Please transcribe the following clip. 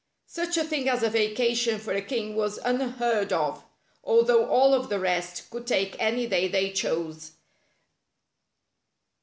Such a thing as a vacation for a king was un heard of, although all of the rest could take any day they chose.